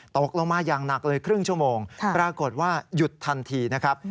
ตกลงมาอย่างหนักเลยครึ่งชั่วโมงปรากฏว่าหยุดทันทีนะครับ